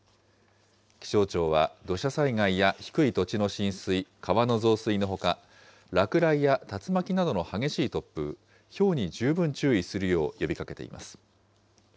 気象庁は、土砂災害や低い土地の浸水、川の増水のほか、落雷や竜巻などの激しい突風、ひょうに十分注意するよう呼びかけています。